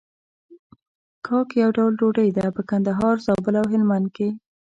کاک يو ډول ډوډۍ ده په کندهار، زابل او هلمند کې.